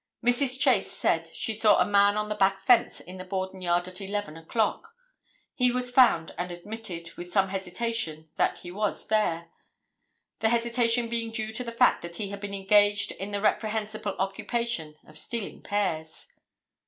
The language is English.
Mrs. Chase said she saw a man on the back fence in the Borden yard at 11 o'clock. He was found and admitted, with some hesitation, that he was there, the hesitation being due to the fact that he had been engaged in the reprehensible occupation of stealing pears.